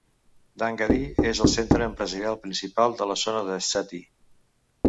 Dhangadhi és el centre empresarial principal de la zona de Seti.